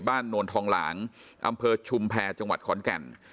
นวลทองหลางอำเภอชุมแพรจังหวัดขอนแก่น